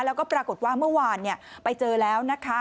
แล้วก็ปรากฏว่าเมื่อวานไปเจอแล้วนะคะ